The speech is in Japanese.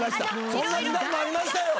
そんな時代もありましたよ。